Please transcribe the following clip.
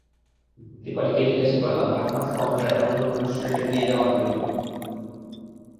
দীপালিকে জিজ্ঞাসা করলাম ভাত–মাছ খাওয়া যায় এমন কোনো রেস্টুরেন্টে নিয়ে যাওয়ার জন্য।